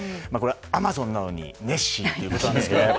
アマゾンなのにネッシー？ということなんですが。